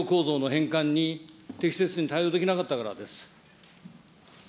それは産業構造の変換に適切に対応できなかったからです。